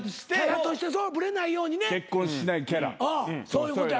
そういうことや。